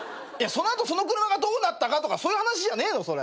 いやその後その車がどうなったかとかそういう話じゃねえの？